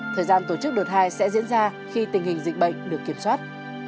thời gian tổ chức đợt hai sẽ diễn ra khi tình hình dịch bệnh được kiểm soát